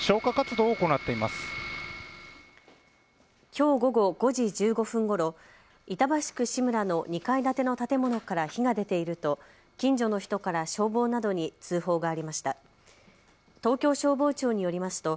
きょう午後５時１５分ごろ、板橋区志村の２階建ての建物から火が出ていると近所の人から消防などに通報がありました。